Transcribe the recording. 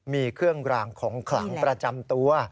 มีเครื่องรางของขลังประจำตัว